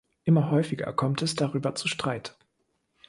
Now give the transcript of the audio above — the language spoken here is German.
Immer häufiger kommt es darüber zu Streit.